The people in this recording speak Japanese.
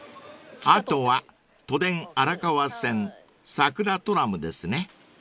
［あとは都電荒川線さくらトラムですね］